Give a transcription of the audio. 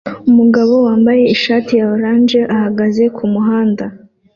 Umugabo wambaye ishati ya orange ahagaze kumuhanda